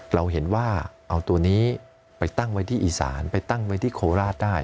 เราเห็นว่าเอาตัวนี้ไปตั้งไว้ที่อีสานไปตั้งไว้ที่โคราชได้